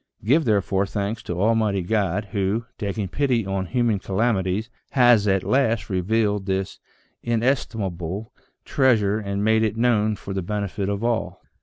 Give there fore thanks to Almighty God, who, taking pity on human calamities, has at last revealed this inestimable treasure, and made it known for the benefit of all."